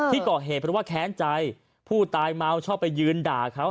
ที่ก่อเหตุเพราะว่าแค้นใจผู้ตายเมาชอบไปยืนด่าเขา